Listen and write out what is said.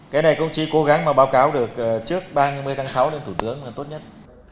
cái này cũng chỉ cố gắng mà báo cáo được trước ba mươi tháng sáu lên thủ tướng là tốt nhất